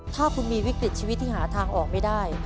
ถ้าคุณมีวิกฤตชีวิตที่หาทางออกไม่ได้